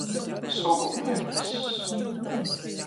Sulu mieness.